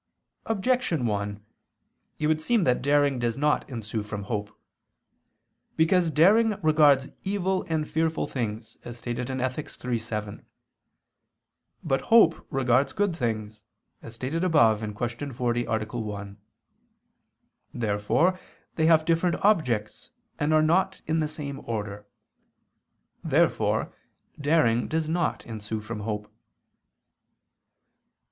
Objection 1: It would seem that daring does not ensue from hope. Because daring regards evil and fearful things, as stated in Ethic. iii, 7. But hope regards good things, as stated above (Q. 40, A. 1). Therefore they have different objects and are not in the same order. Therefore daring does not ensue from hope.